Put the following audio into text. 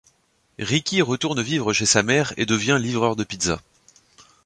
Ricky retourne vivre chez sa mère et devient livreur de pizzas.